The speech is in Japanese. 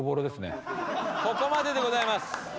ここまででございます。